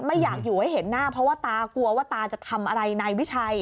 ไม่อยากอยู่ให้เห็นหน้าเพราะว่าตากลัวว่าตาจะทำอะไรนายวิชัย